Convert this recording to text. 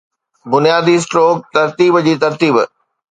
بنيادي-اسٽروڪ ترتيب جي ترتيب